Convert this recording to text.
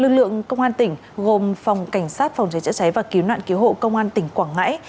lực lượng công an tỉnh gồm phòng cảnh sát phòng cháy chữa cháy và cứu nạn cứu hộ công an tỉnh quảng ngãi